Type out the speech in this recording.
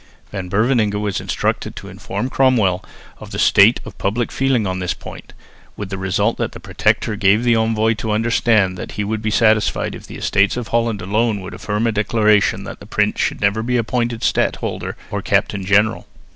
Van Beverningh was instructed to inform Cromwell of the state of public feeling on this point, with the result that the Protector gave the envoy to understand that he would be satisfied if the Estates of Holland alone would affirm a declaration that the Prince should never be appointed stadholder or captain general.